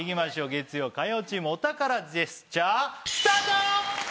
月曜・火曜チームお宝ジェスチャー。